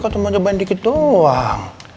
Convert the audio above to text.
kau cuma cobain dikit doang